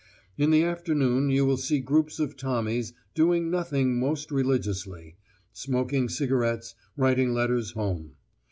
In the afternoon you will see groups of Tommies doing nothing most religiously, smoking cigarettes, writing letters home.